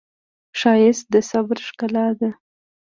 ښایست د صبر ښکلا ده